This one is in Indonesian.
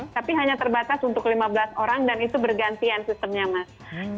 tapi hanya terbatas untuk lima belas orang dan itu bergantian sistemnya mas